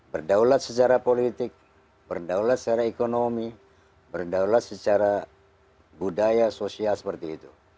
berdaulat secara politik berdaulat secara ekonomi berdaulat secara budaya sosial seperti itu